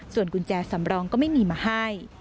ส่วนกุญแจสำรองก็ไม่มีมาให้